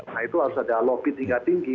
nah itu harus ada lobby tingkat tinggi